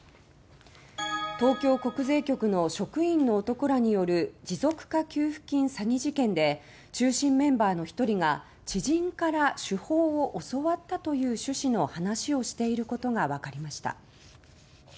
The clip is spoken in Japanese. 東京国税局の職員の男らによる持続化給付金詐欺事件で中心メンバーの１人が「知人から手法を教わった」という主旨の話をしていることがわかりました。